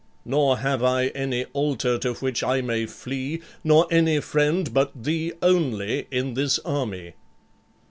Nor have I any altar to which I may flee, nor any friend but thee only in this army."